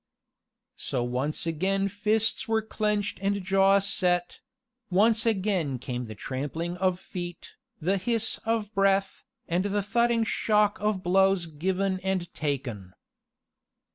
So once again fists were clenched and jaws set once again came the trampling of feet, the hiss of breath, and the thudding shock of blows given and taken.